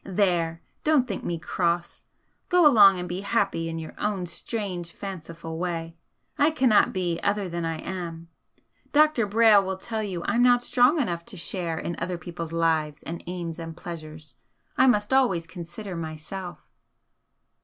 There! don't think me cross! Go along and be happy in your own strange fanciful way! I cannot be other than I am, Dr. Brayle will tell you that I'm not strong enough to share in other people's lives and aims and pleasures, I must always consider myself."